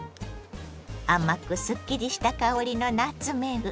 甘くすっきりした香りのナツメグ。